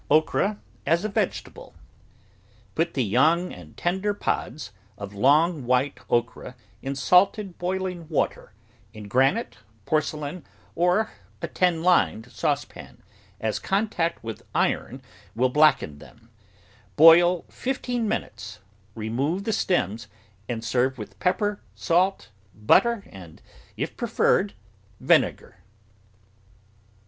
OKRA AS A VEGETABLE Put the young and tender pods of long, white okra in salted boiling water in granite, porcelain, or a tin lined saucepan, as contact with iron will , [1^6] THE GROWING OF VARIOUS VEGETABLES blacken them; boil fifteen minutes, remove the stems, and serve with pepper, salt, butter, and, if preferred, vinegar.